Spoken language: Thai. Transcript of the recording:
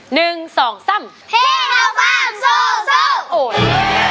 หนึ่งสองสามพี่เข้าฟ่างสู้สู้